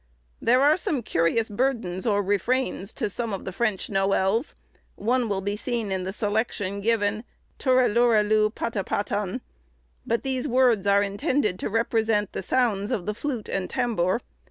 There are some curious burdens or refrains to some of the French noëls; one will be seen in the selection given, "Turelurelu, patapatan;" but these words are intended to represent the sounds of the flute and tambour.